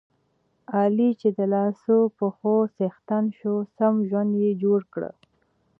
علي چې د لاسو پښو څښتن شو، سم ژوند یې جوړ کړ.